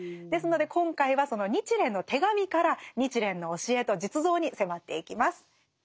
ですので今回はその「日蓮の手紙」から日蓮の教えと実像に迫っていきます。